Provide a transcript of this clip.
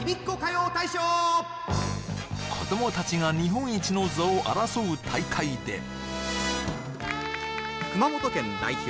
子供たちが日本一の座を争う大会で・熊本県代表